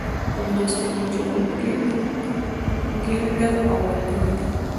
د مجسمو جوړونکي نوم ګیلډر او ملګري دی.